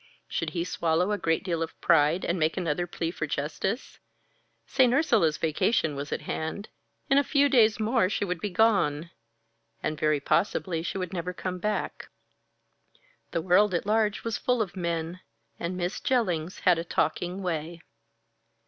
Should he swallow a great deal of pride, and make another plea for justice? St. Ursula's vacation was at hand; in a few days more she would be gone and very possibly she would never come back. The world at large was full of men, and Miss Jellings had a taking way.